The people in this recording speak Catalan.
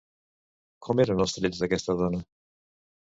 Com eren els trets d'aquesta dona?